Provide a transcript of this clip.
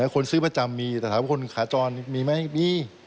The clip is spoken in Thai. คนซื้อประจำมีแต่ถามว่าคนขาจรมีไหมมี